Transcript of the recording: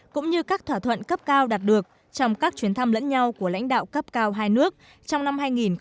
cũng như các thỏa thuận cấp cao đạt được trong các chuyến thăm lẫn nhau của lãnh đạo cấp cao hai nước trong năm hai nghìn một mươi tám